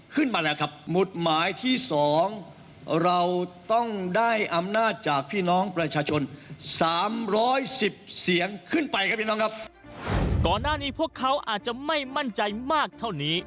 ก่อนหน้านี้พวกเขาอาจจะไม่มั่นใจมากเท่านี้